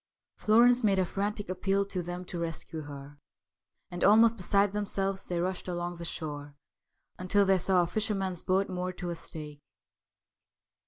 Florence made a frantic appeal to them to rescue her, and almost beside themselves they rushed along the shore until they saw a fisherman's boat moored to a stake.